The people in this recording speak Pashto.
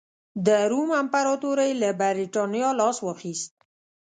د روم امپراتورۍ له برېټانیا لاس واخیست.